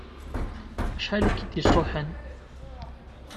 Acḥal i k-d-isuḥen?